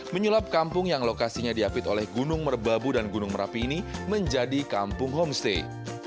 menyulap kampung yang lokasinya diapit oleh gunung merbabu dan gunung merapi ini menjadi kampung homestay